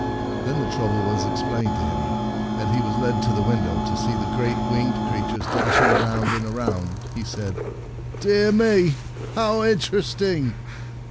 When the trouble was ex plained to him, and he was led to the window to see the great winged creatures dashing around and around, he said, " Dear me ! How interesting